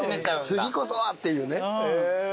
次こそはっていうね。